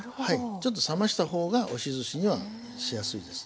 ちょっと冷ました方が押しずしにはしやすいです。